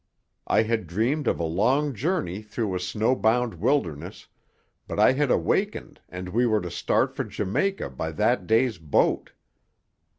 I had dreamed of a long journey through a snow bound wilderness, but I had awakened and we were to start for Jamaica by that day's boat.